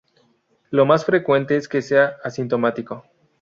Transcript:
Lo más frecuente es que sea asintomático.